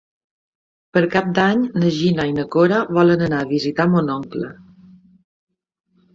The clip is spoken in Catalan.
Per Cap d'Any na Gina i na Cora volen anar a visitar mon oncle.